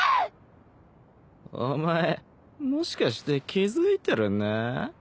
お前もしかして気付いてるな？